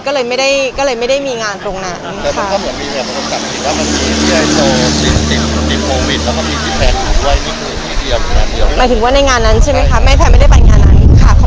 หมายถึงว่าในงานนั้นใช่ไหมคะไม่แฟนไม่ได้ไปในงานนั้นค่ะ